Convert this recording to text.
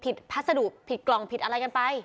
พัสดุผิดกล่องผิดอะไรกันไป